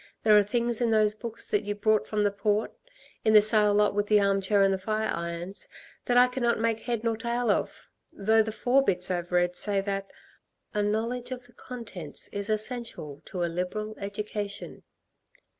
There are things in those books that you brought from the Port in the sale lot with the arm chair and the fire irons that I cannot make head nor tail of, though the fore bits I've read say that: 'A knowledge of the contents is essential to a liberal education.'"